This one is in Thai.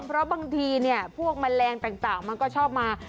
เพราะบางทีพวกแมลงต่างมันก็ชอบมา